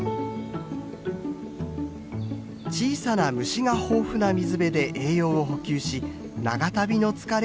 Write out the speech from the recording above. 小さな虫が豊富な水辺で栄養を補給し長旅の疲れを癒やします。